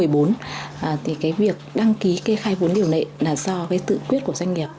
việc đăng ký kê khai vốn điều lệ là do tự quyết của doanh nghiệp